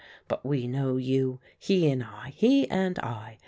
But we know you he and I he and I.